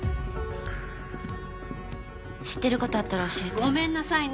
知ってることあったら教えてごめんなさいね